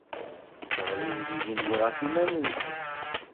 Sseɣlin-d igenni ɣef yiman-nsen.